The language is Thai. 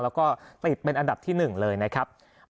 แล้วก็ติดเป็นอันดับที่๑เลยนะครับ